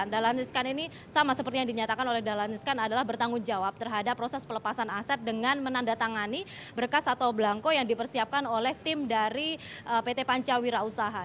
dahlan iskan ini sama seperti yang dinyatakan oleh dahlan iskan adalah bertanggung jawab terhadap proses pelepasan aset dengan menandatangani berkas atau belangko yang dipersiapkan oleh tim dari pt pancawira usaha